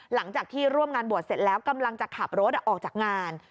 หลังจากที่ร่วมงานบวชเสร็จแล้วกำลังจะขับรถออกจากงาน